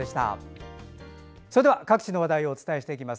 それでは各地の話題をお伝えしていきます。